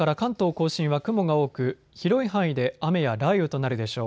甲信は雲が多く広い範囲で雨や雷雨となるでしょう。